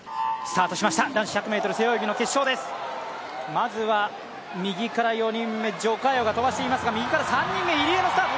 まずは右から４人目、徐嘉余が飛ばしていますが右から３人目、入江のスタート